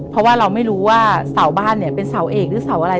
เพราะว่าเราไม่รู้ว่าเสาบ้านเนี่ยเป็นเสาเอกหรือเสาอะไร